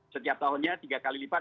setiap tahunnya tiga kali lipat